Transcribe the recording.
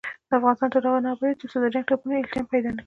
افغانستان تر هغو نه ابادیږي، ترڅو د جنګ ټپونه التیام پیدا نکړي.